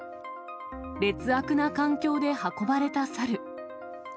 劣悪な環境で運ばれた猿。